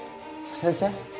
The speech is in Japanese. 先生。